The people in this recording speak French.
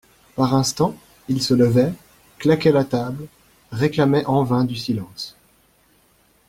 Par instants, il se levait, claquait la table, réclamait en vain du silence.